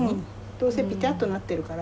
どうせピタッとなってるから。